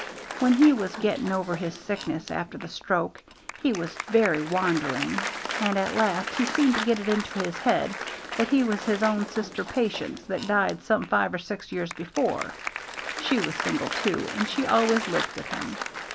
When he was getting over his sickness after the stroke he was very wandering, and at last he seemed to get it into his head that he was his own sister Patience that died some five or six years before: she was single too, and she always lived with him.